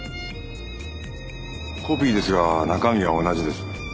コピーですが中身は同じです。